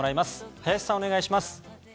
林さん、お願いします。